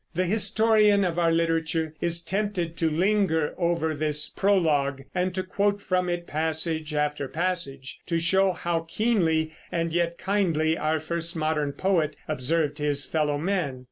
The historian of our literature is tempted to linger over this "Prologue" and to quote from it passage after passage to show how keenly and yet kindly our first modern poet observed his fellow men.